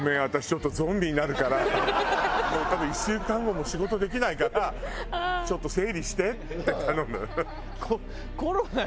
ちょっとゾンビになるから多分１週間後もう仕事できないからちょっと整理して」って頼む。